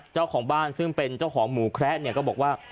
เจ้าของบ้านซึ่งเป็นเจ้าของหมูแคระเนี่ยก็บอกว่า